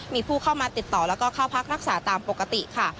มีผู้เข้ามาติดต่อแล้วก็เข้าพักรักษาตามปกติค่ะ